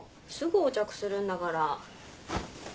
すぐ横着するんだから。